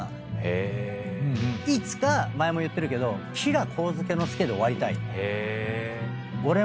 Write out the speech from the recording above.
いつか前も言ってるけど吉良上野介で終わりたい。